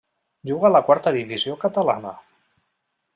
Juga a la quarta divisió catalana.